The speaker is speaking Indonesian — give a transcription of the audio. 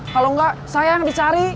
kalau nggak sayang dicari